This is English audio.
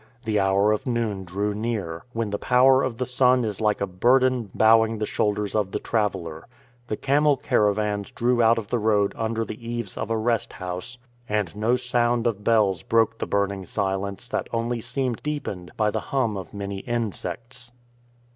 The hour of noon drew near, when the power of the sun is like a burden bowing the shoulders of the traveller. The camel caravans drew out of the road under the eaves of a rest house, and no sound of bells broke the burning silence that only seemed deepened by the hum of many insects.